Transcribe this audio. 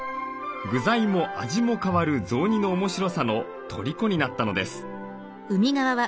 具材も味も変わる雑煮の面白さのとりこになったのです。